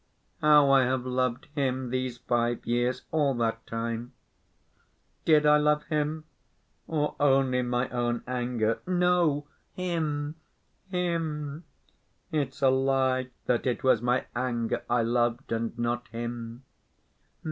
How I have loved him these five years, all that time! Did I love him or only my own anger? No, him, him! It's a lie that it was my anger I loved and not him.